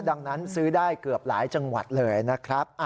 ดังนั้นซื้อได้เกือบหลายจังหวัดเลยนะครับ